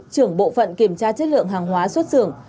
trưởng bộ phận kiểm tra chất lượng hàng hóa xuất xưởng